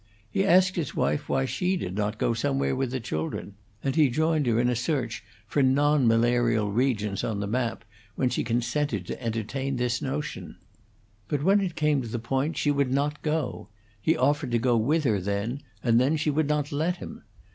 He asked his wife why she did not go somewhere with the children, and he joined her in a search for non malarial regions on the map when she consented to entertain this notion. But when it came to the point she would not go; he offered to go with her then, and then she would not let him.